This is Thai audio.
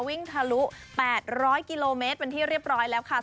ทะลุ๘๐๐กิโลเมตรเป็นที่เรียบร้อยแล้วค่ะ